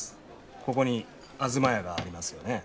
ここに東屋がありますよね